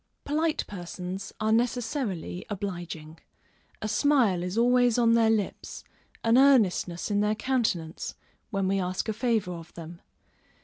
_ Polite persons are necessarily obliging. A smile is always on their lips, an earnestness in their countenance, when we ask a favor of them.